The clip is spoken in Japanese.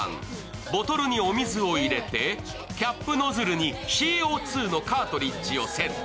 ボトルにお水を入れて、キャップノズルにＣＯ２のカートリッジをセット。